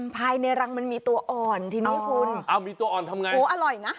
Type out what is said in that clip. ภายในรังมันมีตัวอ่อนทีนี้คุณอ้าวมีตัวอ่อนทำไงโอ้โหอร่อยนะ